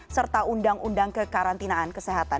serta undang undang kekarantinaan kesehatan